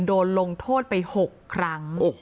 ลงโทษไป๖ครั้ง